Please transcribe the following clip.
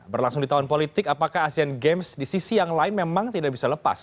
berlangsung di tahun politik apakah asian games di sisi yang lain memang tidak bisa lepas